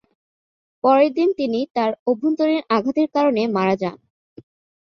পরের দিন তিনি তার অভ্যন্তরীণ আঘাতের কারণে মারা যান।